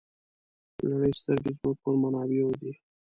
د نړۍ سترګې زموږ پر منابعو دي.